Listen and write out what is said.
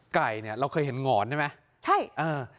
ไก่เนี่ยเราเคยเห็นหงอนใช่ไหม